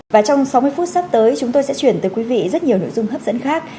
và trong sáu mươi phút sắp tới chúng tôi sẽ chuyển tới quý vị rất nhiều nội dung hấp dẫn khác